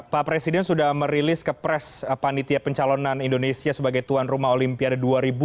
pak presiden sudah merilis ke pres panitia pencalonan indonesia sebagai tuan rumah olimpiade dua ribu dua puluh